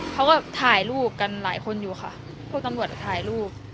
เขาก็ถ่ายรูปกันหลายคนอยู่ค่ะพวกตำรวจถ่ายรูป